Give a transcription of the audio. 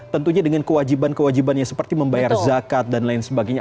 tentunya dengan kewajiban kewajibannya seperti membayar zakat dan lain sebagainya